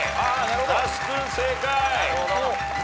那須君正解。